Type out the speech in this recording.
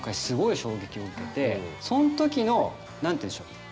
すごい衝撃を受けてそのときの何て言うんでしょう？